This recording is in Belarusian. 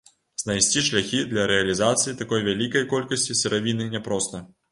Знайсці шляхі для рэалізацыі такой вялікай колькасці сыравіны няпроста.